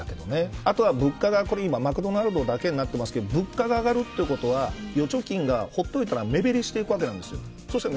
あとは物価が、これ今マクドナルドだけになっていますけど物価が上がるということは預貯金がほっといたら目減りしていくわけなんです。